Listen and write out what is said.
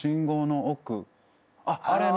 あっあれね。